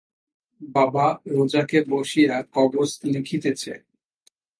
বাবা রোযাকে বসিয়া কবচ লিখিতেছে।